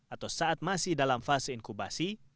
atau saat masih dalam fase inkubasi